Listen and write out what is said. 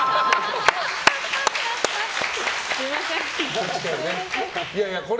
すみません。